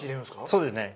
そうですね。